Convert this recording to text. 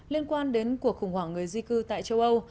liên quan đến cuộc khủng hoảng người di cư tại châu âu